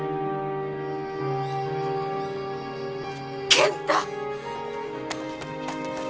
健太！